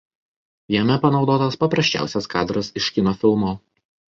Jame panaudotas paprasčiausias kadras iš kino filmo.